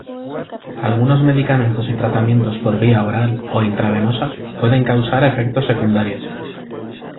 Algunos medicamentos y tratamientos por vía oral o intravenosa pueden causar efectos secundarios.